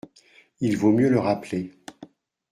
Il vaut mieux le rappeler.